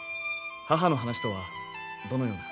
母の話とはどのような？